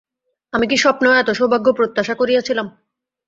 আমি কি স্বপ্নেও এত সৌভাগ্য প্রত্যাশা করিয়াছিলাম।